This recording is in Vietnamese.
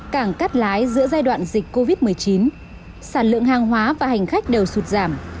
cảng cắt lái giữa giai đoạn dịch covid một mươi chín sản lượng hàng hóa và hành khách đều sụt giảm